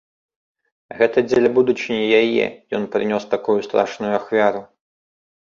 Гэта дзеля будучыні яе ён прынёс такую страшную ахвяру.